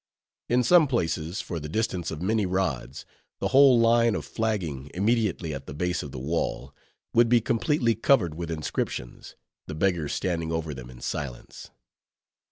In some places, for the distance of many rods, the whole line of flagging immediately at the base of the wall, would be completely covered with inscriptions, the beggars standing over them in silence.